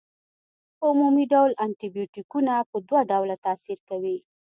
په عمومي ډول انټي بیوټیکونه په دوه ډوله تاثیر کوي.